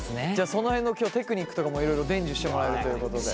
その辺の今日テクニックとかもいろいろ伝授してもらえるということで。